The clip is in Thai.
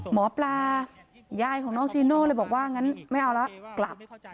หมอปลายายของน้องจีโน่เลยบอกว่างั้นไม่เอาละกลับ